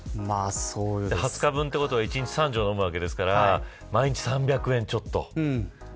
２０日分ってことは１日３錠ですから毎日３００円ちょっと。